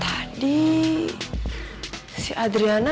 tadi si adriana